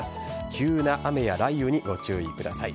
急な雨や雷雨にご注意ください。